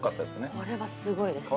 これはすごいです。